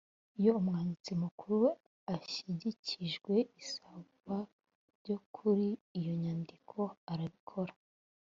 iyo umwanditsi mukuru ashyikirijwe isaba ryo kuri iyo nyandiko arabikora